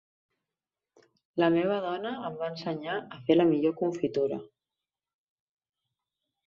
La meva dona em va ensenyar a fer la millor confitura.